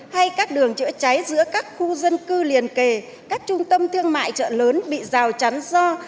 hay các đường chữa cháy giữa các khu dân cư liền kề các trung tâm thương mại chợ lớn bị rào chắn do